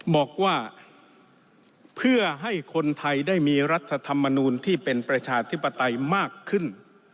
บอกว่าเพื่อให้คนไทยได้มีรัฐธรรมนูลที่เป็นประชาธิปไตยมากขึ้น